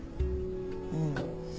うん。